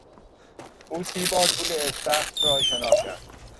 او سی بار طول استخر را شنا کرد.